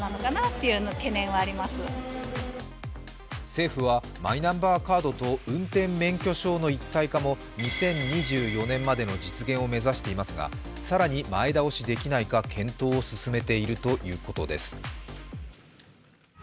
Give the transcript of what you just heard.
政府はマイナンバーカードと運転免許証の一体化も２０２４年までの実現を目指していますが、更に前倒しできないか検討を進めているということです。